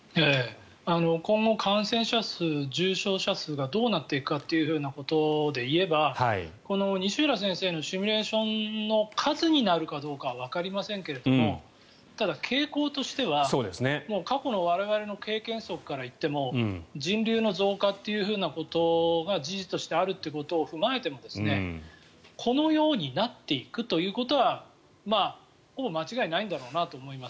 今後感染者数、重症者数がどうなっていくかということでいえばこの西浦先生のシミュレーションの数になるかどうかはわかりませんけれどもただ、傾向としては過去の我々の経験則から言っても人流の増加ということが事実としてあるということを踏まえてもこのようになっていくということはほぼ間違いないんだろうなと思います。